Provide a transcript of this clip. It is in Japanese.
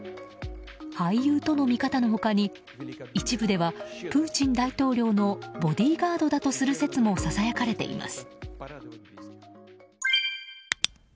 俳優との見方の他に、一部ではプーチン大統領のボディーガードだとする説もささやかれています。